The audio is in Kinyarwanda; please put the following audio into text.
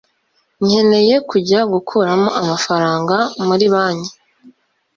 nkeneye kujya gukuramo amafaranga muri banki